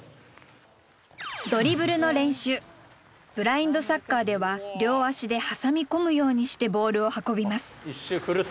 ブラインドサッカーでは両足で挟み込むようにしてボールを運びます。